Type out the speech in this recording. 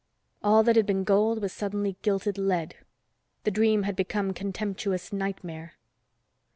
All that had been gold, was suddenly gilted lead. The dream had become contemptuous nightmare.